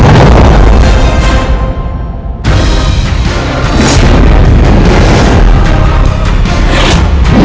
ibu nang akan selamatkan ibu